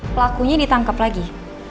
pelakunya ditangkap lagi